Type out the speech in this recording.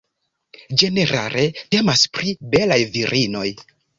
Ĝenerale temas pri belaj virinoj.